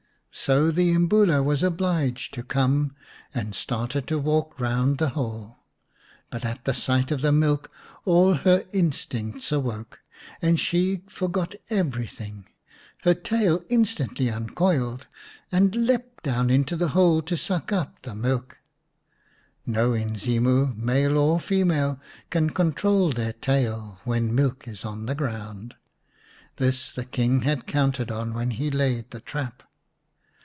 So the Imbula was obliged to come, and started to walk round the hole. But at the sight of the milk all her instincts awoke, and she forgot everything. Her tail instantly uncoiled, and leapt down into the hole to suck up the 235 The Beauty and the Beast xix milk. No Inzimu, male or female, can control their tail when milk is on the ground. This the King had counted on when he laid the trap.